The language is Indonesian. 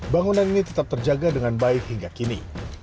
bangunan ini tetap terjaga dengan baik hingga kini